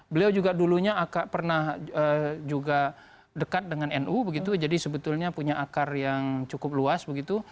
beliau juga dulunya pernah juga dekat dengan nu begitu jadi sebetulnya punya akar yang cukup luas begitu